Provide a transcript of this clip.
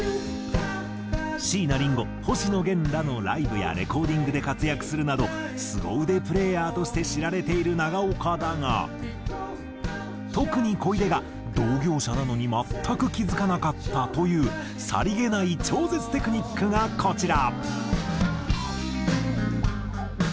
椎名林檎星野源らのライブやレコーディングで活躍するなどすご腕プレーヤーとして知られている長岡だが特に小出が同業者なのに全く気付かなかったというさりげない超絶テクニックがこちら。